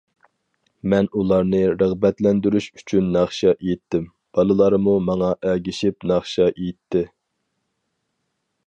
مەن ئۇلارنى رىغبەتلەندۈرۈش ئۈچۈن ناخشا ئېيتتىم، بالىلارمۇ ماڭا ئەگىشىپ ناخشا ئېيتتى.